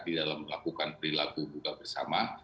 di dalam melakukan perilaku buka bersama